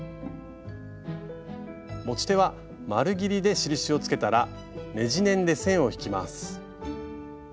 持ち手は丸ぎりで印をつけたらねじネンで線を引きます。